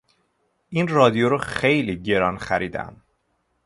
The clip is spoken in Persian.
این رادیو را خیلی گران خریدم.